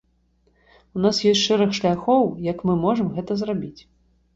У нас ёсць шэраг шляхоў, як мы можам гэта зрабіць.